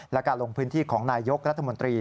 และการลงพื้นที่ของนายยกรัฐมนตรี